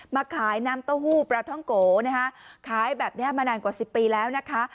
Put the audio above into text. มาขายน้ำเต้าหู้ปลาท่องโกนะคะขายแบบนี้มานานกว่า๑๐ปีแล้วนะคะ